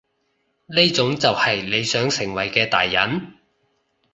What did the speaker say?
呢種就係你想成為嘅大人？